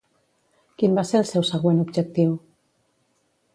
Quin va ser el seu següent objectiu?